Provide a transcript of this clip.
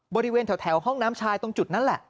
บริเวณแถวห้องน้ำชายตรงจุดนั้นแหละ